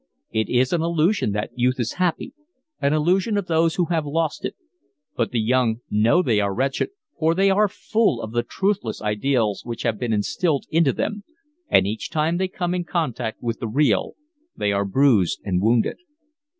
It is an illusion that youth is happy, an illusion of those who have lost it; but the young know they are wretched, for they are full of the truthless ideals which have been instilled into them, and each time they come in contact with the real they are bruised and wounded.